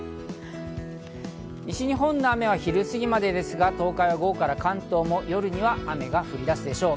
西日本の雨は昼過ぎまでですが、東海は午後から関東も夜には雨が降り出すでしょう。